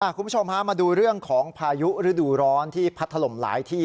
คุณผู้ชมฮะมาดูเรื่องของพายุฤดูร้อนที่พัดถล่มหลายที่